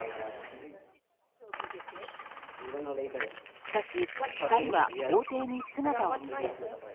しかし２人は法廷に姿を見せず。